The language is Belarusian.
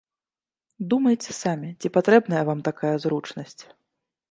Думайце самі, ці патрэбная вам такая зручнасць.